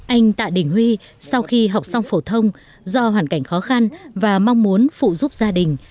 anh tạ đình huy sau khi học xong phổ thông do hoàn cảnh khó khăn và mong muốn phụ giúp gia đình